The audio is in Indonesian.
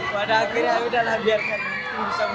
pada akhirnya sudah lah biarkan